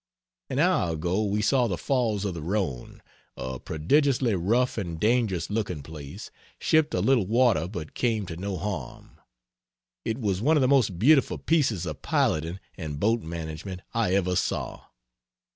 An hour ago we saw the Falls of the Rhone, a prodigiously rough and dangerous looking place; shipped a little water but came to no harm. It was one of the most beautiful pieces of piloting and boat management I ever saw.